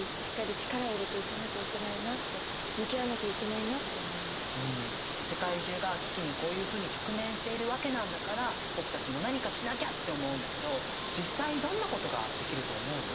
何かこう東京とかが水で埋まってる未来とかって。だけど世界中が危機にこういうふうに直面しているわけなんだから僕たちも何かしなきゃって思うんだけど実際どんなことができると思う？